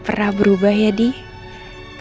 saya merasa khawatir